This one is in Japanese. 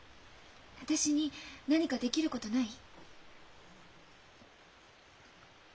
私に何かできることない？